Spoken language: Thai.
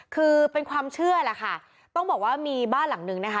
คือเป็นความเชื่อแหละค่ะต้องบอกว่ามีบ้านหลังนึงนะคะ